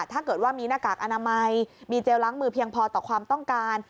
ถ้าเกิดว่ามีหน้ากากอนามัยมีเจลล้างมือเพียงพอต่อความต้องการ